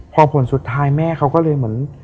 พอผลสุดท้ายแม่เขาก็เลยเหมือน